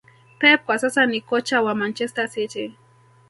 pep kwa sasa ni kocha wa Manchester City